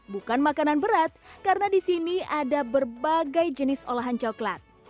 bukan makanan berat karena di sini ada berbagai jenis olahan coklat